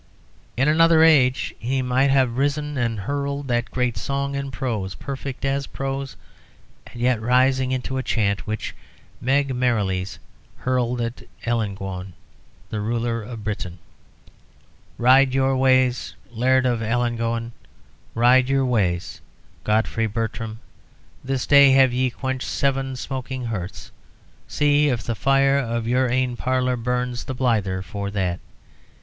In another age he might have risen and hurled that great song in prose, perfect as prose and yet rising into a chant, which Meg Merrilies hurled at Ellangowan, at the rulers of Britain: "Ride your ways. Laird of Ellangowan; ride your ways, Godfrey Bertram this day have ye quenched seven smoking hearths. See if the fire in your ain parlour burns the blyther for that.